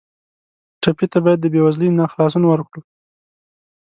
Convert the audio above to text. ټپي ته باید د بېوزلۍ نه خلاصون ورکړو.